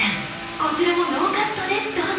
こちらもノーカットでどうぞ！